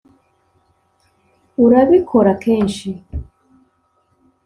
urabikora kenshi